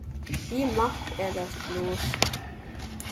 Wie macht er das bloß?